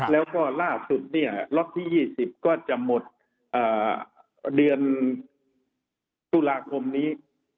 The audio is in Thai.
แล้วก็ล่าสุดเนี่ยล็อตที่๒๐ก็จะหมดเดือนตุลาคมนี้